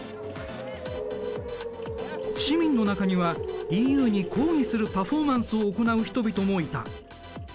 市民の中にはＥＵに抗議するパフォーマンスを行う人々もいた。